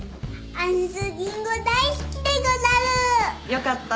よかった。